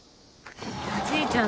おじいちゃん